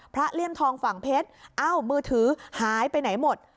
เลี่ยมทองฝั่งเพชรเอ้ามือถือหายไปไหนหมด